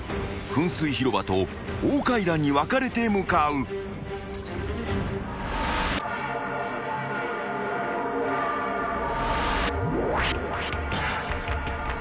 ［噴水広場と大階段に分かれて向かう］